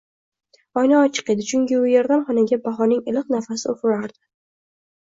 Oyna ochiq edi, chunki u erdan xonaga bahorning iliq nafasi ufurardi